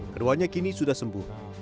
keduanya kini sudah sembuh